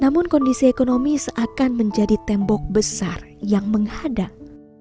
namun kondisi ekonomi seakan menjadi tembok besar yang menghadang